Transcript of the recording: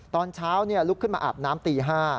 ตอนเช้าลุกขึ้นมาอาบน้ำตี๕